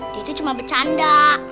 dia tuh cuma bercanda